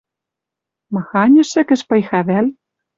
Махань ӹшӹкӹш пыйха вӓл?